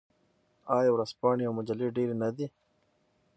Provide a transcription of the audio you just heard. آیا ورځپاڼې او مجلې ډیرې نه دي؟